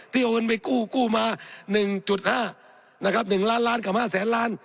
ที่โอนไปกู้มา๑๕นะครับ๑ล้านล้านกลับ๕๐๐๐๐ล้าน